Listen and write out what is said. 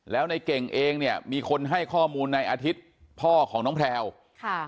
แล้วในเก่งเองเนี่ยมีคนให้ข้อมูลในอาทิตย์พ่อของน้องแพลวค่ะ